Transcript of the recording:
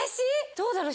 どうだろう？